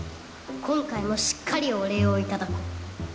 今回もしっかりお礼を頂こう。